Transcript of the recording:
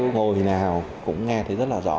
ngồi nào cũng nghe thấy rất là rõ